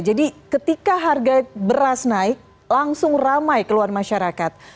jadi ketika harga beras naik langsung ramai keluhan masyarakat